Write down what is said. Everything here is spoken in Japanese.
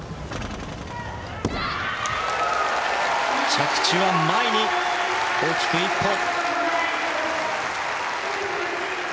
着地は前に大きく１歩。